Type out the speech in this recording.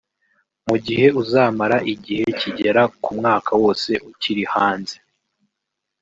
mu gihe uzamara igihe kigera ku mwaka wose ukiri hanze